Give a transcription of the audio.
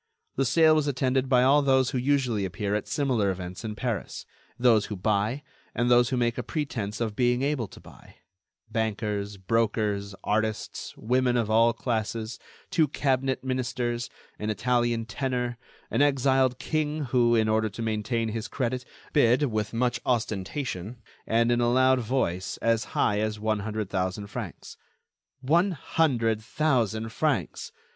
The sale was attended by all those who usually appear at similar events in Paris; those who buy, and those who make a pretense of being able to buy; bankers, brokers, artists, women of all classes, two cabinet ministers, an Italian tenor, an exiled king who, in order to maintain his credit, bid, with much ostentation, and in a loud voice, as high as one hundred thousand francs. One hundred thousand francs!